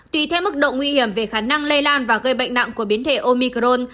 tùy theo mức độ nguy hiểm về khả năng lây lan và gây bệnh nặng của biến thể omicron